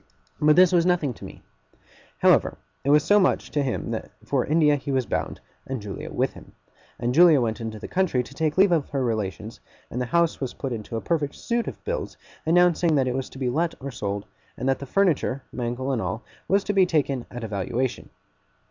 But this was nothing to me. However, it was so much to him that for India he was bound, and Julia with him; and Julia went into the country to take leave of her relations; and the house was put into a perfect suit of bills, announcing that it was to be let or sold, and that the furniture (Mangle and all) was to be taken at a valuation.